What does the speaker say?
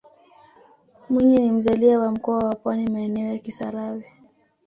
mwinyi ni mzalia wa mkoa wa pwani maeneo ya kisarawe